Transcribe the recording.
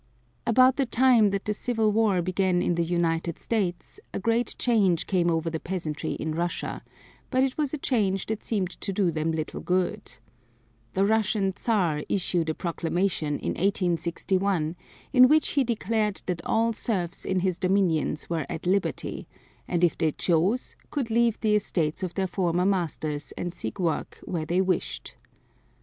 About the time that the Civil War began in the United States a great change came over the peasantry in Russia, but it was a change that seemed to do them little good. The Russian Czar issued a proclamation in 1861 in which he declared that all serfs in his dominions were at liberty, and if they chose could leave the estates of their former masters and seek work where they wished.